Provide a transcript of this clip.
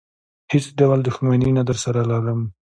هېڅ ډول دښمني نه درسره لرم.